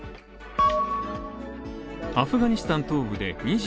アフガニスタン東部で２２日